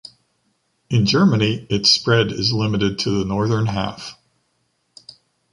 In Germany its spread is limited to the northern half.